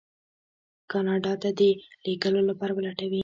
کاناډا ته د لېږلو لپاره ولټوي.